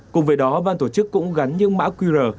cùng với đó ban tổ chức cũng gắn những mã qr